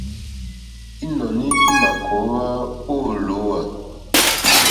Ínɔ̀ní ímà kòówá ô lǒhwà.